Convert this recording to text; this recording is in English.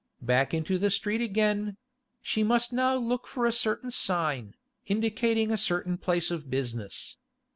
Back into the street again; she must now look for a certain sign, indicating a certain place of business.